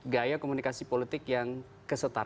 gaya komunikasi politik yang kesetaraan